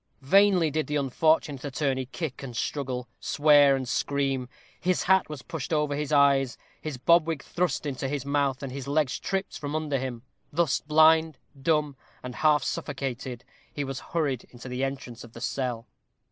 Vainly did the unfortunate attorney kick and struggle, swear and scream; his hat was pushed over his eyes; his bob wig thrust into his mouth; and his legs tripped from under him. Thus blind, dumb, and half suffocated, he was hurried into the entrance of the cell.